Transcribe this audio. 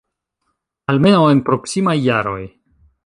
Almenaŭ, en proksimaj jaroj.